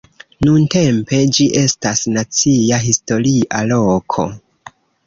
Nuntempe, ĝi estas nacia historia loko.